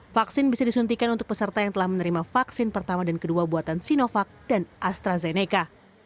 vaksin bisa disuntikan untuk peserta yang telah menerima vaksin pertama dan kedua buatan sinovac dan astrazeneca